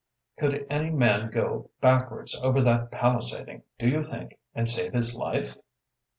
Could any man go backwards over that palisading, do you think, and save his life?"